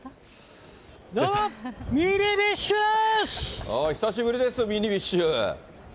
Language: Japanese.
どうも、久しぶりです、ミニビッシュ。